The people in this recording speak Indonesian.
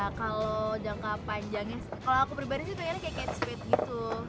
ya kalau jangka panjangnya kalau aku pribadi sih pengennya kayak speed gitu